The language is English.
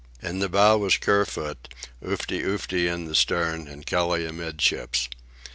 In the bow was Kerfoot, Oofty Oofty in the stern, and Kelly amidships.